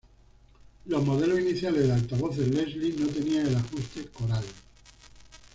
Los modelos iniciales de altavoces Leslie no tenían el ajuste "coral".